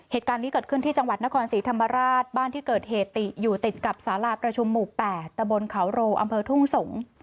เหตุการณ์นี้เกิดขึ้นที่จังหวัดนครศรีธรรมราชบ้านที่เกิดเหตุติดอยู่ติดกับสาราประชุมหมู่๘ตะบนเขาโรอำเภอทุ่งสงศ์